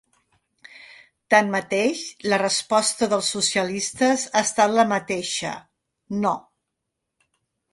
Tanmateix, la resposta dels socialistes ha estat la mateixa: no.